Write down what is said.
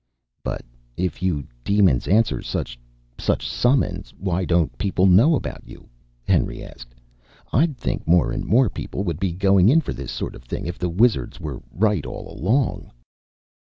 "But if you demons answer such such summons, why don't people know about it now?" Henry asked. "I'd think more and more people would be going in for this sort of thing. If the wizards were right all along...."